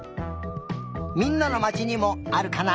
みんなのまちにもあるかな？